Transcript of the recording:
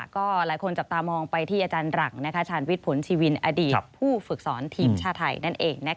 ก็หลายคนจับตามองไปที่อาจารย์หลังชาญวิทย์ผลชีวินอดีตผู้ฝึกสอนทีมชาติไทยนั่นเอง